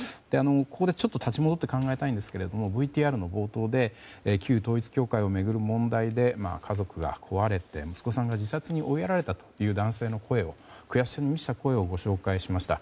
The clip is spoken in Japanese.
ここで立ち戻って考えたいんですがＶＴＲの冒頭で旧統一教会を巡る問題で家族が壊れて、息子さんが自殺に追いやられたという男性の悔しさに満ちた声をご紹介しました。